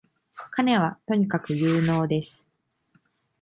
彼はとにかく有能です